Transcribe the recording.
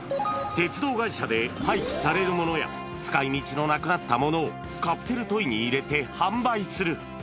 鉄道会社で廃棄されるものや、使いみちのなくなったものをカプセルトイに入れて販売する。